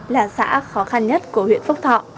là xã khó khăn nhất của huyện phúc thọ